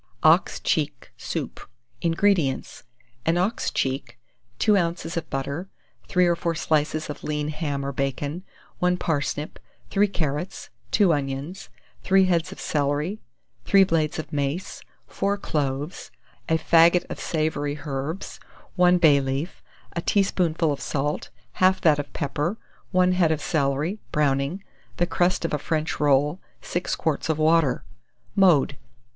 OX CHEEK SOUP. 176. INGREDIENTS. An ox cheek, 2 oz. of butter, 3 or 4 slices of lean ham or bacon, 1 parsnip, 3 carrots, 2 onions, 3 heads of celery, 3 blades of mace, 4 cloves, a faggot of savoury herbs, 1 bay leaf, a teaspoonful of salt, half that of pepper, 1 head of celery, browning, the crust of a French roll, 6 quarts of water. Mode.